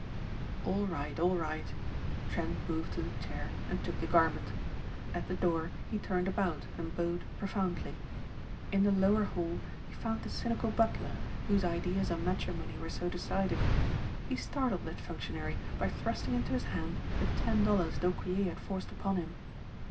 "All right, all right," Trent moved to the chair and took the garment. At the door he turned about and bowed profoundly. In the lower hall he found the cynical butler whose ideas on matrimony were so decided. He startled that functionary by thrusting into his hand the ten dollars d'Aucquier had forced upon him.